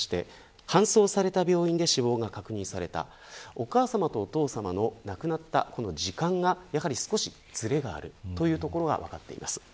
お母さまとお父さまが亡くなったこの時間が少しずれがあるというところが分かっています。